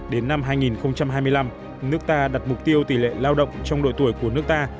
đến năm hai nghìn hai mươi năm nước ta đặt mục tiêu tỷ lệ lao động trong độ tuổi của nước ta